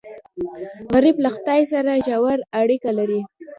غریب له خدای سره ژور اړیکه لري